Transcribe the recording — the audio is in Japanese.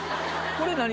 これ何？